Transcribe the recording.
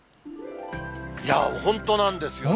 いやー、本当なんですよね。